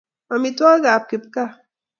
amitwagikab kipgaa